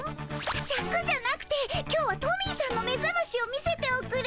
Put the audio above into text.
シャクじゃなくて今日はトミーさんのめざましを見せておくれ。